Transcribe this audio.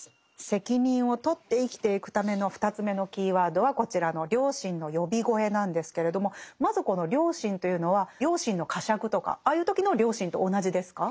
責任を取って生きていくための２つ目のキーワードはこちらの「良心の呼び声」なんですけれどもまずこの「良心」というのは良心の呵責とかああいう時の良心と同じですか？